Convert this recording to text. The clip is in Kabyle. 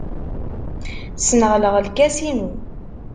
Sneɣleɣ lkas-innu.